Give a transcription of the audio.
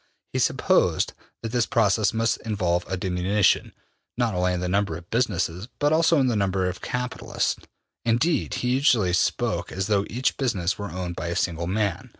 He supposed that this process must involve a diminution, not only in the number of businesses, but also in the number of capitalists. Indeed, he usually spoke as though each business were owned by a single man.